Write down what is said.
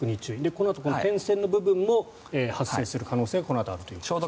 このあとこの点線の部分も発生する可能性がこのあとあるということですね。